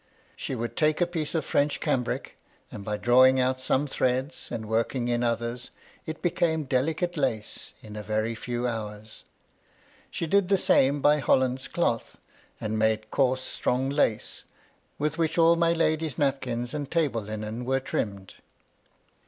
She would take a piece 40 MY LADY LUDLOW. of French cambric, and by drawing out some threads, and working in others, it became delicate lace in a very few hours. She did the same by Hollands cloth, and made coarse strong lace, with which all my lady's napkins and table linen were trimmed.